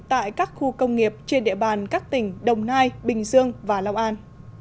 tại các khu công nghiệp trên địa bàn các tỉnh đồng nai bình dương và long an